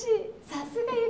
さすが雪！